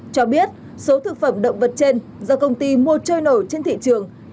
cho biết số thực phẩm động vật trên do công ty mua trôi nổi trên thị trường